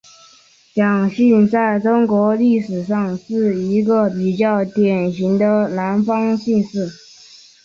蒋姓在中国历史上是一个比较典型的南方姓氏。